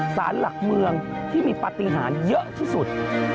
สารหลักเมืองที่มีปฏิหารเยอะที่สุด